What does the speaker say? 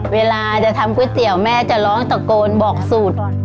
เวลาจะทำก๋วยเตี๋ยวแม่จะร้องตะโกนบอกสูตร